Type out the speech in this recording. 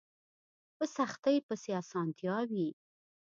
په سختۍ پسې اسانتيا وي